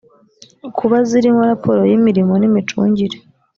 kuba zirimo raporo y imirimo n imicungire